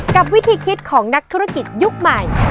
กับวิธีคิดของนักธุรกิจยุคใหม่